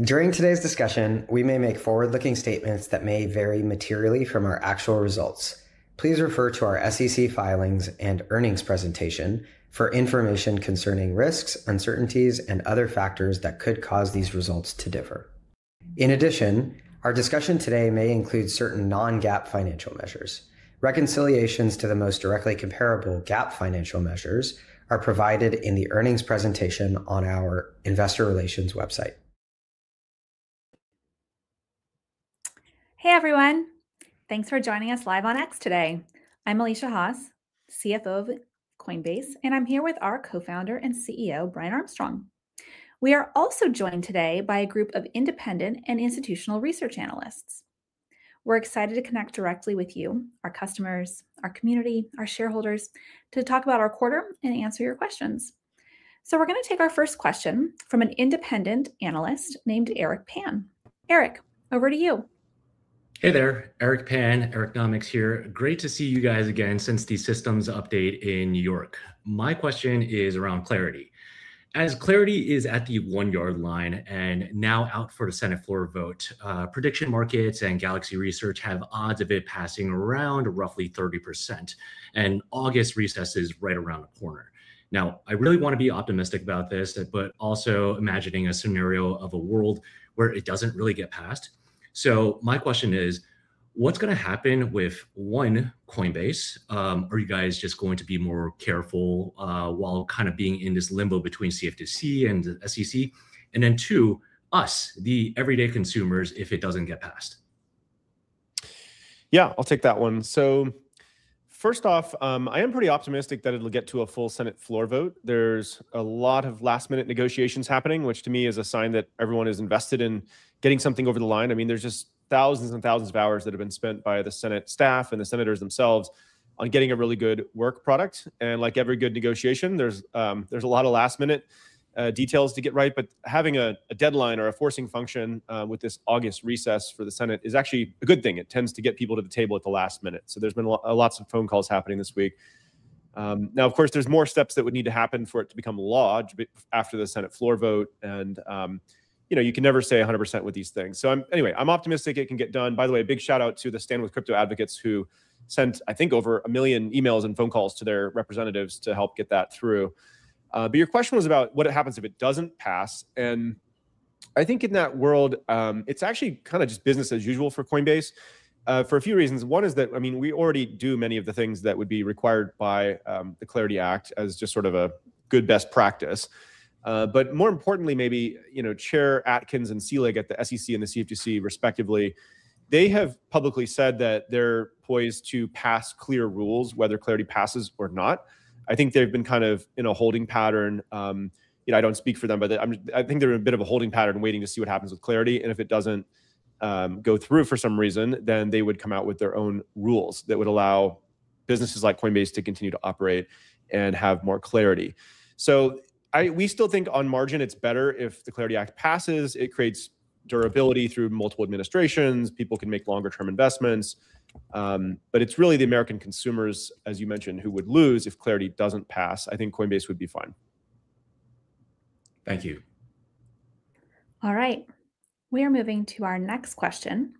During today's discussion, we may make forward-looking statements that may vary materially from our actual results. Please refer to our SEC filings and earnings presentation for information concerning risks, uncertainties, and other factors that could cause these results to differ. In addition, our discussion today may include certain non-GAAP financial measures. Reconciliations to the most directly comparable GAAP financial measures are provided in the earnings presentation on our investor relations website. Hey, everyone. Thanks for joining us live on X today. I'm Alesia Haas, CFO of Coinbase, and I'm here with our co-founder and CEO, Brian Armstrong. We are also joined today by a group of independent and institutional research analysts. We're excited to connect directly with you, our customers, our community, our shareholders, to talk about our quarter and answer your questions. We're going to take our first question from an independent analyst named Eric Pan. Eric, over to you. Hey there, Eric Pan, Ericnomics here. Great to see you guys again since the System Update in New York. My question is around the CLARITY Act. As the CLARITY Act is at the one-yard line and now out for the Senate floor vote, prediction markets and Galaxy Research have odds of it passing around roughly 30%, and August recess is right around the corner. I really want to be optimistic about this, but also imagining a scenario of a world where it doesn't really get passed. My question is, what's going to happen with, one, Coinbase? Are you guys just going to be more careful, while kind of being in this limbo between CFTC and SEC? Then two, us, the everyday consumers, if it doesn't get passed? Yeah, I'll take that one. First off, I am pretty optimistic that it'll get to a full Senate floor vote. There's a lot of last-minute negotiations happening, which to me is a sign that everyone is invested in getting something over the line. There's just thousands and thousands of hours that have been spent by the Senate staff and the senators themselves on getting a really good work product. Like every good negotiation, there's a lot of last-minute details to get right. Having a deadline or a forcing function with this August recess for the Senate is actually a good thing. It tends to get people to the table at the last minute. There's been lots of phone calls happening this week. Of course, there's more steps that would need to happen for it to become law after the Senate floor vote, and you can never say 100% with these things. Anyway, I'm optimistic it can get done. By the way, a big shout-out to the Stand with Crypto advocates who sent, I think, over 1 million emails and phone calls to their representatives to help get that through. Your question was about what happens if it doesn't pass. I think in that world, it's actually kind of just business as usual for Coinbase, for a few reasons. One is that we already do many of the things that would be required by the CLARITY Act as just sort of a good best practice. More importantly maybe, Chair Atkins and Selig at the SEC and the CFTC respectively, they have publicly said that they're poised to pass clear rules whether CLARITY Act passes or not. I think they've been kind of in a holding pattern. I don't speak for them, but I think they're in a bit of a holding pattern, waiting to see what happens with CLARITY Act, and if it doesn't go through for some reason, then they would come out with their own rules that would allow businesses like Coinbase to continue to operate and have more clarity. We still think on margin, it's better if the CLARITY Act passes. It creates durability through multiple administrations. People can make longer-term investments. It's really the American consumers, as you mentioned, who would lose if CLARITY Act doesn't pass. I think Coinbase would be fine. Thank you. We are moving to our next question,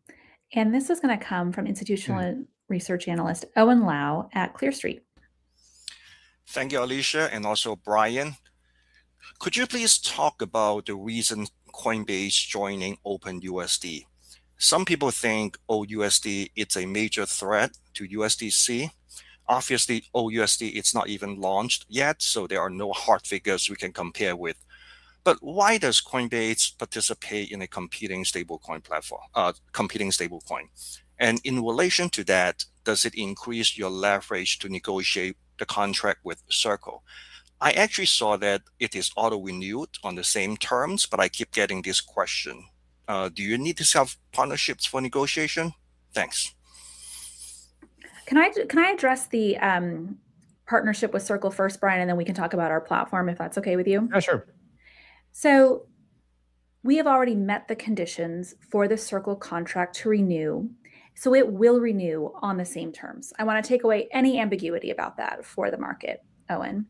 and this is going to come from institutional research analyst Owen Lau at Clear Street. Thank you, Alesia, and also Brian. Could you please talk about the reason Coinbase joining Open USD? Some people think OUSD, it's a major threat to USDC. Obviously, OUSD, it's not even launched yet, so there are no hard figures we can compare with. Why does Coinbase participate in a competing stablecoin? In relation to that, does it increase your leverage to negotiate the contract with Circle? I actually saw that it is auto-renewed on the same terms, but I keep getting this question. Do you need to have partnerships for negotiation? Thanks. Can I address the partnership with Circle first, Brian, and then we can talk about our platform, if that's okay with you? Yeah, sure. We have already met the conditions for the Circle contract to renew, so it will renew on the same terms. I want to take away any ambiguity about that for the market, Owen.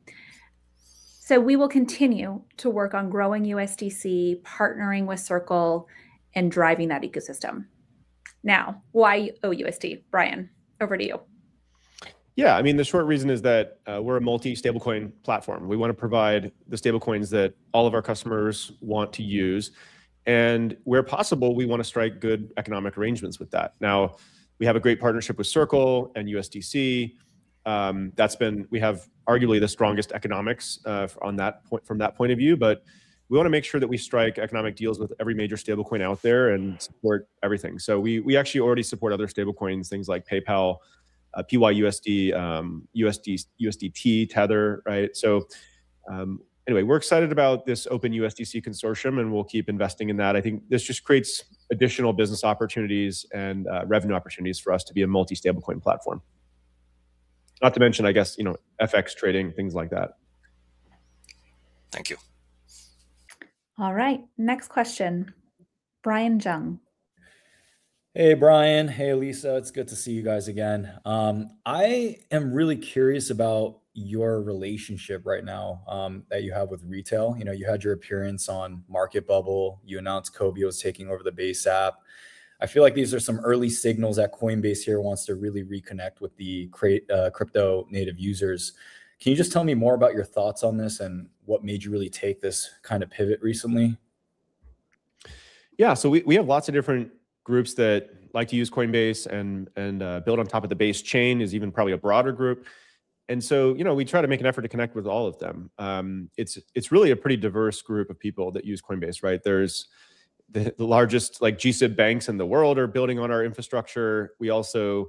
We will continue to work on growing USDC, partnering with Circle, and driving that ecosystem. Now, why OUSD? Brian, over to you. The short reason is that we're a multi-stablecoin platform. We want to provide the stablecoins that all of our customers want to use, and where possible, we want to strike good economic arrangements with that. Now, we have a great partnership with Circle and USDC. We have arguably the strongest economics from that point of view, but we want to make sure that we strike economic deals with every major stablecoin out there and support everything. We actually already support other stablecoins, things like PayPal, PYUSD, USDT, Tether. Anyway, we're excited about this open USDC consortium, and we'll keep investing in that. I think this just creates additional business opportunities and revenue opportunities for us to be a multi-stablecoin platform. Not to mention, I guess, FX trading, things like that. Thank you. All right. Next question. Brian Jung. Hey, Brian. Hey, Alesia. It's good to see you guys again. I am really curious about your relationship right now that you have with retail. You had your appearance on Market Huddle. You announced Cobie is taking over the Base App. I feel like these are some early signals that Coinbase here wants to really reconnect with the crypto native users. Can you just tell me more about your thoughts on this and what made you really take this kind of pivot recently? Yeah. We have lots of different groups that like to use Coinbase and build on top of the Base chain is even probably a broader group. We try to make an effort to connect with all of them. It's really a pretty diverse group of people that use Coinbase, right? There's the largest G-SIB banks in the world are building on our infrastructure. We also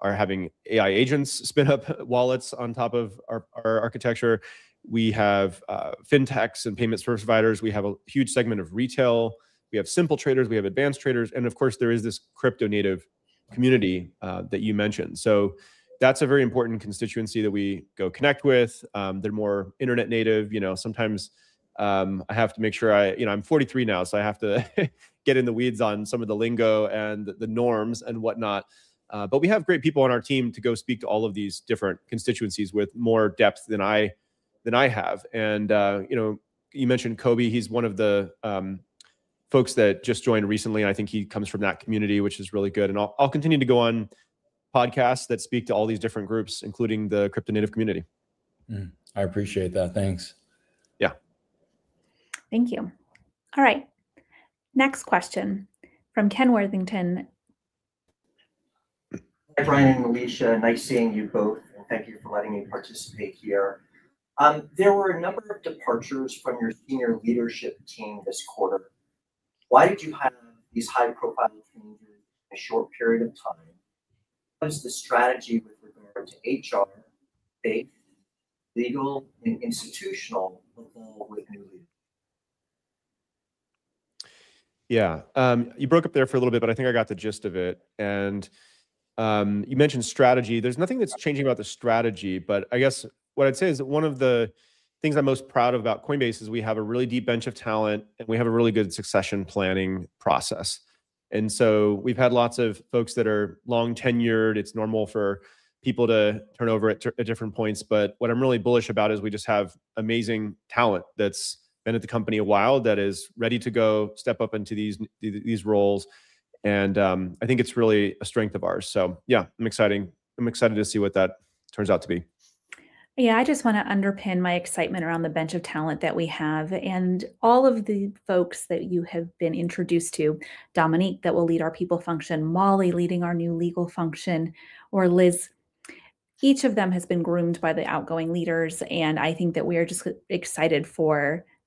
are having AI agents spin up wallets on top of our architecture. We have fintechs and payment service providers. We have a huge segment of retail. We have simple traders. We have advanced traders, and of course, there is this crypto native community that you mentioned. That's a very important constituency that we go connect with. They're more internet native. Sometimes, I have to make sure I'm 43 now, so I have to get in the weeds on some of the lingo and the norms and whatnot. We have great people on our team to go speak to all of these different constituencies with more depth than I have. You mentioned Cobie. He's one of the folks that just joined recently, and I think he comes from that community, which is really good. I'll continue to go on podcasts that speak to all these different groups, including the crypto native community. I appreciate that. Thanks. Yeah. Thank you. All right. Next question from Ken Worthington. Hi, Brian and Alesia. Nice seeing you both, thank you for letting me participate here. There were a number of departures from your senior leadership team this quarter. Why did you have these high-profile changes in a short period of time? What is the strategy with regard to HR, faith, legal, and institutional level with new leaders? Yeah. You broke up there for a little bit, I think I got the gist of it. You mentioned strategy. There's nothing that's changing about the strategy, I guess what I'd say is that one of the things I'm most proud about Coinbase is we have a really deep bench of talent, and we have a really good succession planning process. We've had lots of folks that are long tenured. It's normal for people to turn over at different points. What I'm really bullish about is we just have amazing talent that's been at the company a while, that is ready to go step up into these roles, and I think it's really a strength of ours. Yeah, I'm excited to see what that turns out to be. Yeah, I just want to underpin my excitement around the bench of talent that we have and all of the folks that you have been introduced to, Dominique, that will lead our people function, Molly leading our new legal function, or Liz. Each of them has been groomed by the outgoing leaders, and I think that we are just excited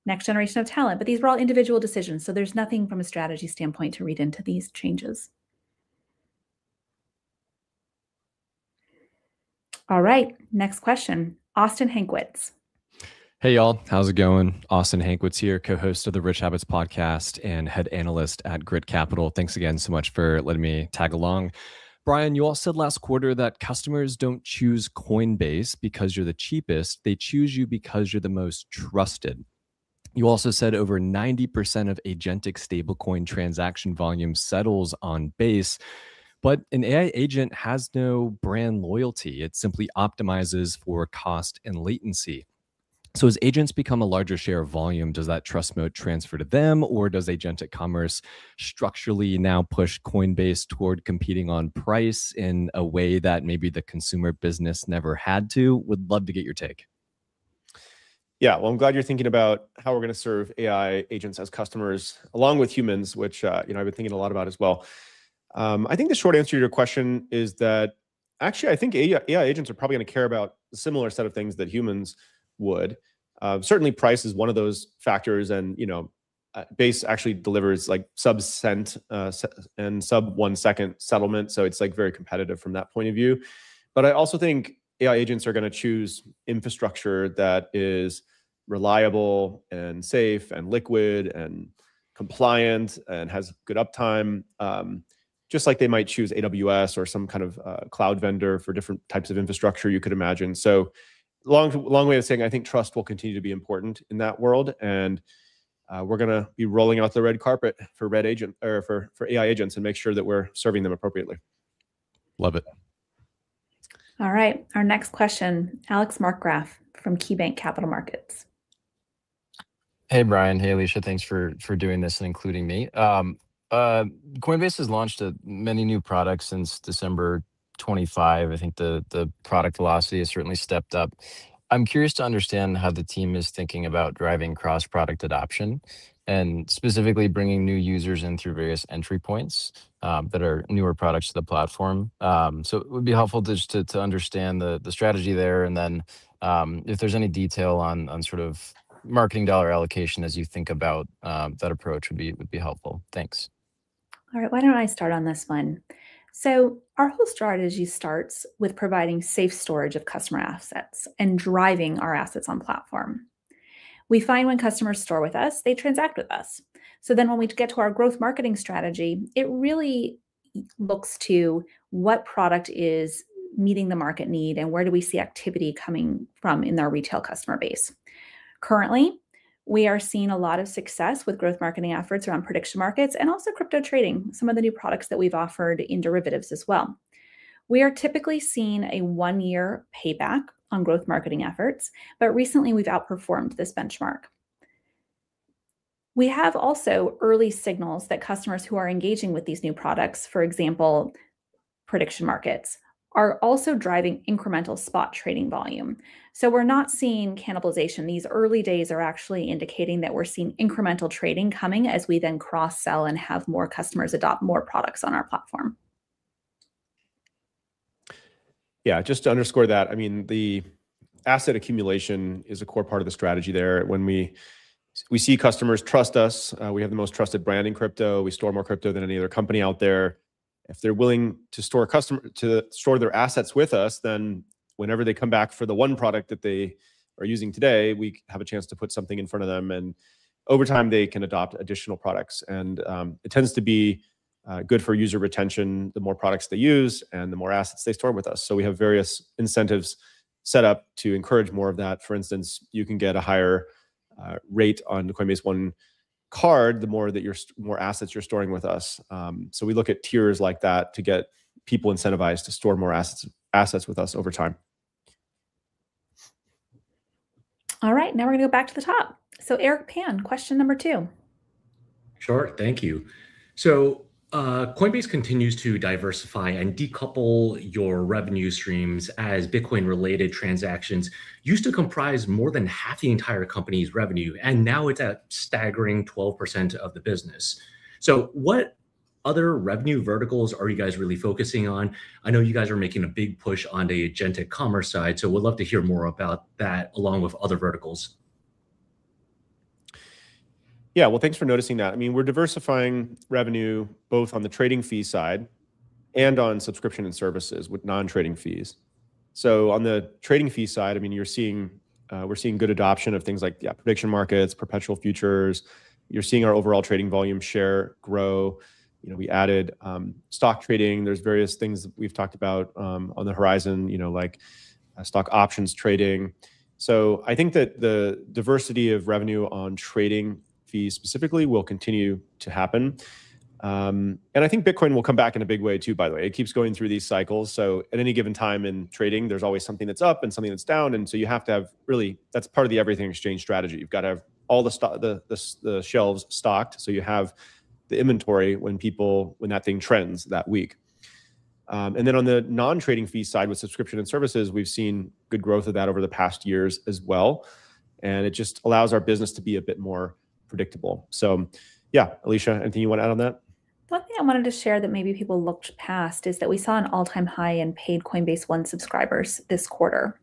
for next generation of talent. These were all individual decisions, there's nothing from a strategy standpoint to read into these changes. All right. Next question. Austin Hankwitz. Hey, y'all. How's it going? Austin Hankwitz here, co-host of the Rich Habits Podcast and head analyst at Grit Capital. Thanks again so much for letting me tag along. Brian, you all said last quarter that customers don't choose Coinbase because you're the cheapest. They choose you because you're the most trusted. You also said over 90% of agentic stablecoin transaction volume settles on Base, but an AI agent has no brand loyalty. It simply optimizes for cost and latency. As agents become a larger share of volume, does that trust mode transfer to them, or does agentic commerce structurally now push Coinbase toward competing on price in a way that maybe the consumer business never had to? Would love to get your take. Well, I'm glad you're thinking about how we're going to serve AI agents as customers along with humans, which I've been thinking a lot about as well. I think the short answer to your question is that actually, I think AI agents are probably going to care about a similar set of things that humans would. Certainly, price is one of those factors, and Base actually delivers sub $0.01, and sub one-second settlement. It's very competitive from that point of view. I also think AI agents are going to choose infrastructure that is reliable and safe and liquid and compliant and has good uptime, just like they might choose AWS or some kind of cloud vendor for different types of infrastructure you could imagine. Long way of saying, I think trust will continue to be important in that world, and we're going to be rolling out the red carpet for AI agents and make sure that we're serving them appropriately. Love it. All right. Our next question, Alex Markgraff from KeyBanc Capital Markets. Hey, Brian. Hey, Alesia. Thanks for doing this and including me. Coinbase has launched many new products since December 2025. I think the product velocity has certainly stepped up. I am curious to understand how the team is thinking about driving cross-product adoption and specifically bringing new users in through various entry points that are newer products to the platform. It would be helpful just to understand the strategy there and then if there is any detail on sort of marketing dollar allocation as you think about that approach would be helpful. Thanks. All right. Why don't I start on this one? Our whole strategy starts with providing safe storage of customer assets and driving our assets on platform. We find when customers store with us, they transact with us. When we get to our growth marketing strategy, it really looks to what product is meeting the market need, and where do we see activity coming from in our retail customer base? Currently, we are seeing a lot of success with growth marketing efforts around prediction markets and also crypto trading, some of the new products that we have offered in derivatives as well. We are typically seeing a one-year payback on growth marketing efforts, but recently we have outperformed this benchmark. We have also early signals that customers who are engaging with these new products, for example, prediction markets, are also driving incremental spot trading volume. We're not seeing cannibalization. These early days are actually indicating that we're seeing incremental trading coming as we then cross-sell and have more customers adopt more products on our platform. Yeah, just to underscore that, the asset accumulation is a core part of the strategy there. When we see customers trust us, we have the most trusted brand in crypto. We store more crypto than any other company out there. If they're willing to store their assets with us, then whenever they come back for the one product that they are using today, we have a chance to put something in front of them, and over time they can adopt additional products. It tends to be good for user retention the more products they use and the more assets they store with us. We have various incentives set up to encourage more of that. For instance, you can get a higher rate on Coinbase One Card the more assets you're storing with us. We look at tiers like that to get people incentivized to store more assets with us over time. All right. Now we're going to go back to the top. Eric Pan, question number two. Sure. Thank you. Coinbase continues to diversify and decouple your revenue streams as Bitcoin-related transactions used to comprise more than half the entire company's revenue, and now it's at a staggering 12% of the business. What other revenue verticals are you guys really focusing on? I know you guys are making a big push on the agentic commerce side, we'd love to hear more about that along with other verticals. Yeah. Well, thanks for noticing that. We're diversifying revenue both on the trading fee side and on subscription and services with non-trading fees. On the trading fee side, we're seeing good adoption of things like prediction markets, perpetual futures. You're seeing our overall trading volume share grow. We added stock trading. There's various things that we've talked about on the horizon, like stock options trading. I think that the diversity of revenue on trading fees specifically will continue to happen. I think Bitcoin will come back in a big way too, by the way. It keeps going through these cycles. At any given time in trading, there's always something that's up and something that's down. You have to have really, that's part of the everything exchange strategy. You've got to have all the shelves stocked so you have the inventory when that thing trends that week. On the non-trading fee side with subscription and services, we've seen good growth of that over the past years as well, and it just allows our business to be a bit more predictable. Yeah, Alesia, anything you want to add on that? One thing I wanted to share that maybe people looked past is that we saw an all-time high in paid Coinbase One subscribers this quarter.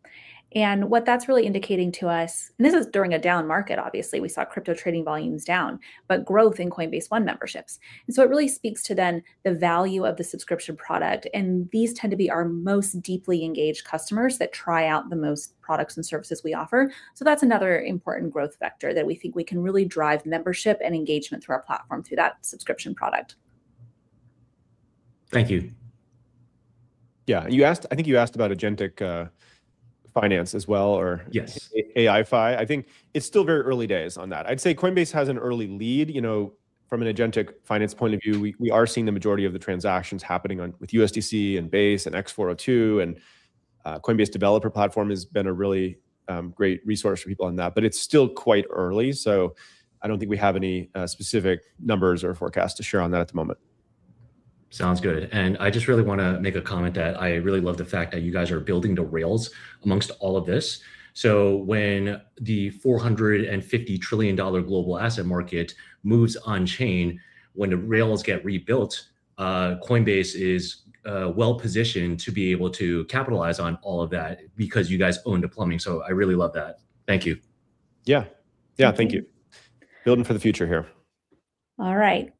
What that's really indicating to us, and this is during a down market, obviously. We saw crypto trading volumes down, but growth in Coinbase One memberships. It really speaks to then the value of the subscription product, and these tend to be our most deeply engaged customers that try out the most products and services we offer. That's another important growth vector that we think we can really drive membership and engagement through our platform through that subscription product. Thank you. Yeah. I think you asked about Agentic Finance as well. Yes. AiFi. I think it's still very early days on that. I'd say Coinbase has an early lead. From an agentic finance point of view, we are seeing the majority of the transactions happening with USDC and Base and x402, and Coinbase Developer Platform has been a really great resource for people on that. It's still quite early, I don't think we have any specific numbers or forecasts to share on that at the moment. Sounds good. I just really want to make a comment that I really love the fact that you guys are building the rails amongst all of this. When the $450 trillion global asset market moves on chain, when the rails get rebuilt, Coinbase is well-positioned to be able to capitalize on all of that because you guys own the plumbing. I really love that. Thank you. Yeah. Thank you. Building for the future here. All right.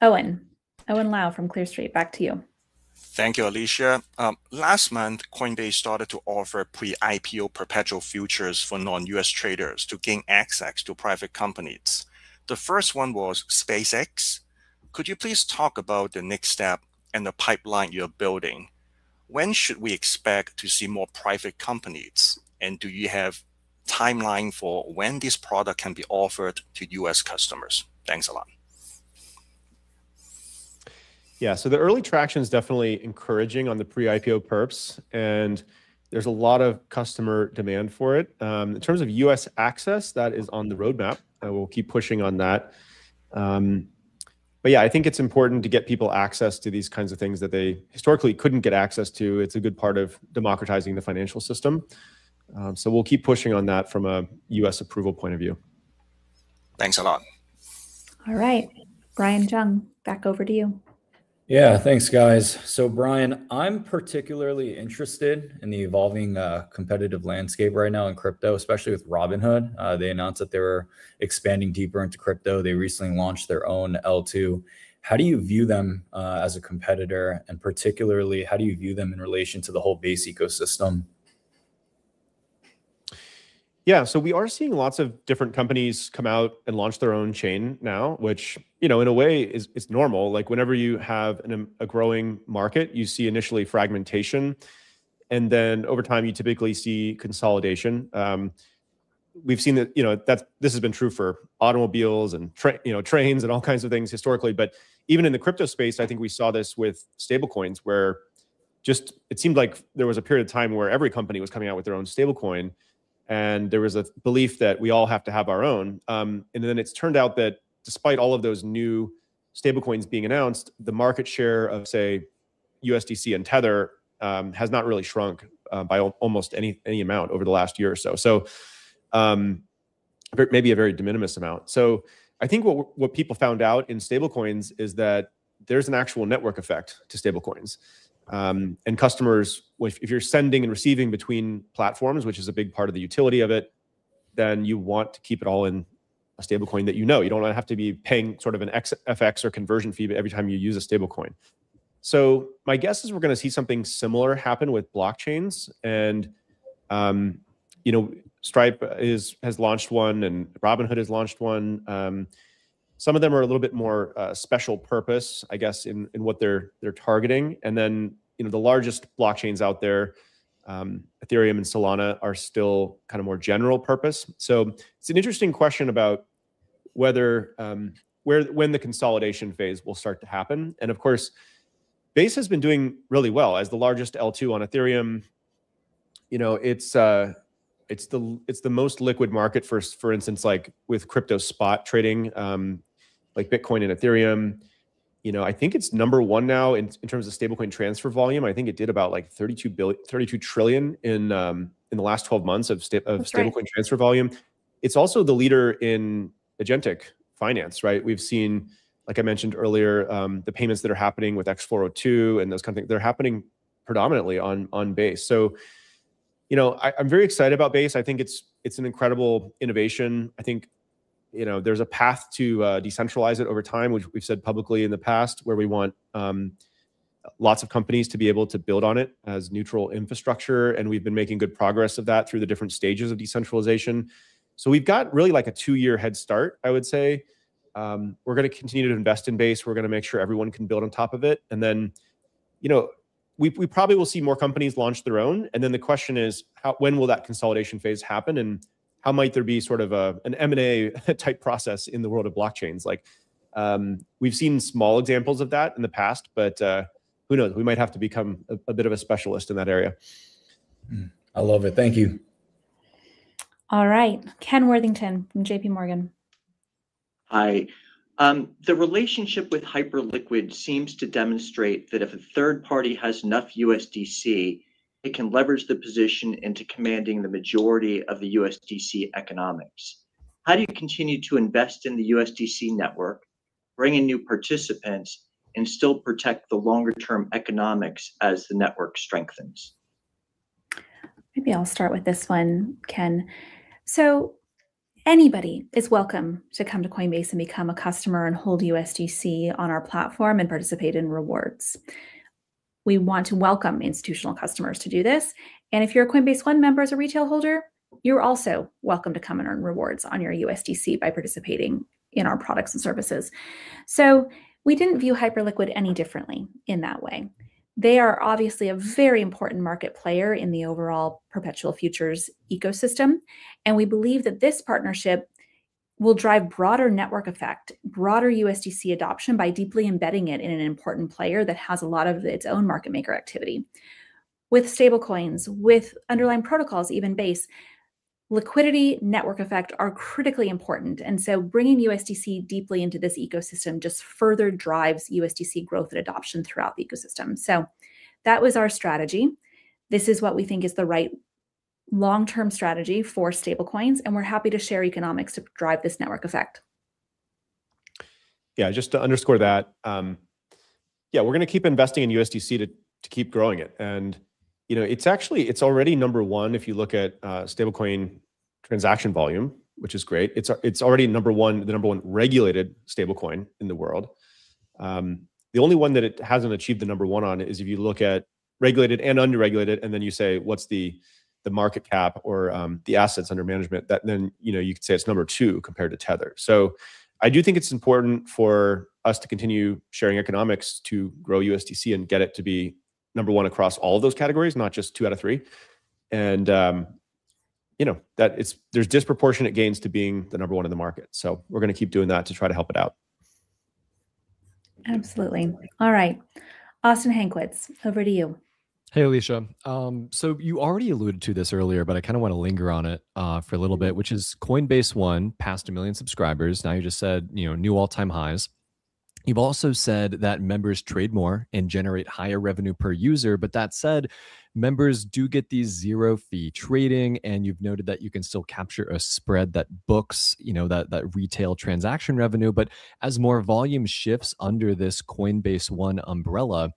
Owen Lau from Clear Street, back to you. Thank you, Alesia. Last month, Coinbase started to offer pre-IPO perpetual futures for non-U.S. traders to gain access to private companies. The first one was SpaceX. Could you please talk about the next step in the pipeline you're building? When should we expect to see more private companies, and do you have timeline for when this product can be offered to U.S. customers? Thanks a lot. Yeah. The early traction is definitely encouraging on the pre-IPO perps, and there's a lot of customer demand for it. In terms of U.S. access, that is on the roadmap. I will keep pushing on that. Yeah, I think it's important to get people access to these kinds of things that they historically couldn't get access to. It's a good part of democratizing the financial system. We'll keep pushing on that from a U.S. approval point of view. Thanks a lot. All right. Brian Jung, back over to you. Yeah. Thanks, guys. Brian, I'm particularly interested in the evolving competitive landscape right now in crypto, especially with Robinhood. They announced that they were expanding deeper into crypto. They recently launched their own L2. How do you view them as a competitor, and particularly, how do you view them in relation to the whole Base ecosystem? Yeah. We are seeing lots of different companies come out and launch their own chain now, which in a way is normal. Whenever you have a growing market, you see initially fragmentation, then over time you typically see consolidation. We've seen that this has been true for automobiles and trains and all kinds of things historically. Even in the crypto space, I think we saw this with stablecoins where just it seemed like there was a period of time where every company was coming out with their own stablecoin, and there was a belief that we all have to have our own. It's turned out that despite all of those new stablecoins being announced, the market share of, say, USDC and Tether has not really shrunk by almost any amount over the last year or so. Maybe a very de minimis amount. I think what people found out in stablecoins is that there's an actual network effect to stablecoins. Customers, if you're sending and receiving between platforms, which is a big part of the utility of it, then you want to keep it all in a stablecoin that you know. You don't want to have to be paying sort of an FX or conversion fee every time you use a stablecoin. My guess is we're going to see something similar happen with blockchains. Stripe has launched one and Robinhood has launched one. Some of them are a little bit more special purpose, I guess, in what they're targeting. The largest blockchains out there, Ethereum and Solana, are still kind of more general purpose. It's an interesting question about when the consolidation phase will start to happen. Base has been doing really well as the largest L2 on Ethereum. It's the most liquid market, for instance, with crypto spot trading like Bitcoin and Ethereum. I think it's number one now in terms of stablecoin transfer volume. I think it did about $32 trillion in the last 12 months of stablecoin transfer volume. That's right. It's also the leader in Agentic Finance, right? We've seen, like I mentioned earlier, the payments that are happening with x402 and those companies, they're happening predominantly on Base. I'm very excited about Base. I think it's an incredible innovation. I think there's a path to decentralize it over time, which we've said publicly in the past, where we want lots of companies to be able to build on it as neutral infrastructure. We've been making good progress of that through the different stages of decentralization. We've got really a two-year head start, I would say. We're going to continue to invest in Base. We're going to make sure everyone can build on top of it. Then, we probably will see more companies launch their own. Then the question is, when will that consolidation phase happen? How might there be sort of an M&A type process in the world of blockchains? We've seen small examples of that in the past, but who knows? We might have to become a bit of a specialist in that area. I love it. Thank you. All right. Ken Worthington from JPMorgan. Hi. The relationship with Hyperliquid seems to demonstrate that if a third party has enough USDC, it can leverage the position into commanding the majority of the USDC economics. How do you continue to invest in the USDC network, bring in new participants, and still protect the longer-term economics as the network strengthens? Maybe I'll start with this one, Ken. Anybody is welcome to come to Coinbase and become a customer and hold USDC on our platform and participate in rewards. We want to welcome institutional customers to do this. If you're a Coinbase One member as a retail holder, you're also welcome to come and earn rewards on your USDC by participating in our products and services. We didn't view Hyperliquid any differently in that way. They are obviously a very important market player in the overall perpetual futures ecosystem, and we believe that this partnership will drive broader network effect, broader USDC adoption by deeply embedding it in an important player that has a lot of its own market maker activity. With stable coins, with underlying protocols, even Base, liquidity network effect are critically important, bringing USDC deeply into this ecosystem just further drives USDC growth and adoption throughout the ecosystem. That was our strategy. This is what we think is the right long-term strategy for stable coins, and we're happy to share economics to drive this network effect. Just to underscore that. Yeah, we're going to keep investing in USDC to keep growing it. It's already number one if you look at stablecoin transaction volume, which is great. It's already the number one regulated stablecoin in the world. The only one that it hasn't achieved the number one on is if you look at regulated and unregulated and then you say, what's the market cap or the assets under management? You could say it's number two compared to Tether. I do think it's important for us to continue sharing economics to grow USDC and get it to be number one across all of those categories, not just two out of three. There's disproportionate gains to being the number one in the market. We're going to keep doing that to try to help it out. Absolutely. All right. Austin Hankwitz, over to you. Hey, Alesia. You already alluded to this earlier, but I kind of want to linger on it for a little bit, which is Coinbase One passed 1 million subscribers. You just said new all-time highs. You've also said that members trade more and generate higher revenue per user, but that said, members do get these zero-fee trading, and you've noted that you can still capture a spread that books that retail transaction revenue. As more volume shifts under this Coinbase One umbrella,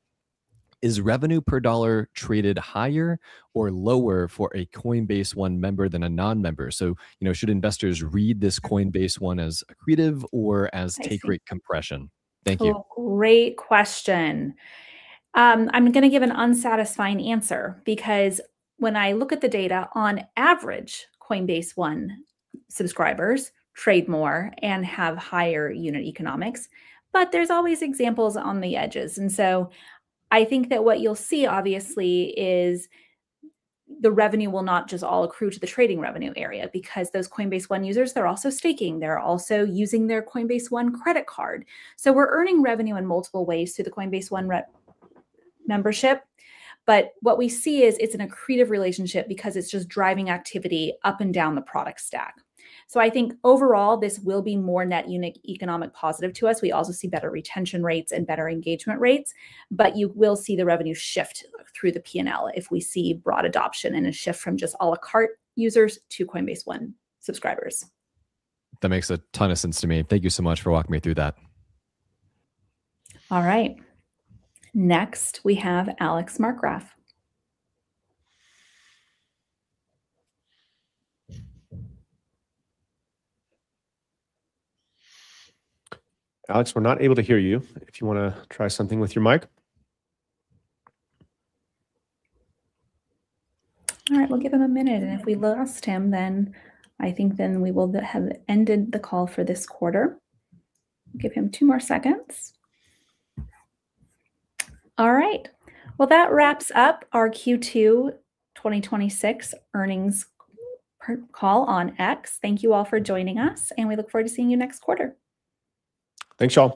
is revenue per dollar traded higher or lower for a Coinbase One member than a non-member? Should investors read this Coinbase One as accretive or as take rate compression? Thank you. Great question. I'm going to give an unsatisfying answer because when I look at the data, on average, Coinbase One subscribers trade more and have higher unit economics. There's always examples on the edges. I think that what you'll see, obviously, is the revenue will not just all accrue to the trading revenue area because those Coinbase One users, they're also staking, they're also using their Coinbase One Card. We're earning revenue in multiple ways through the Coinbase One membership. What we see is it's an accretive relationship because it's just driving activity up and down the product stack. I think overall, this will be more net unit economic positive to us. We also see better retention rates and better engagement rates. You will see the revenue shift through the P&L if we see broad adoption and a shift from just a la carte users to Coinbase One subscribers. That makes a ton of sense to me. Thank you so much for walking me through that. All right. Next we have Alex Markgraff. Alex, we're not able to hear you. If you want to try something with your mic. All right. We'll give him a minute, and if we lost him, then I think then we will have ended the call for this quarter. Give him two more seconds. All right. Well, that wraps up our Q2 2026 earnings call on X. Thank you all for joining us, and we look forward to seeing you next quarter. Thanks, y'all.